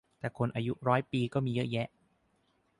แต่คนอายุร้อยปีก็มีเยอะแยะ